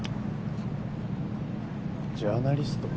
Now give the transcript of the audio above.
ジャーナリスト？